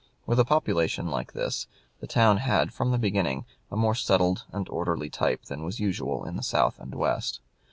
With a population like this, the town had, from the beginning, a more settled and orderly type than was usual in the South and West.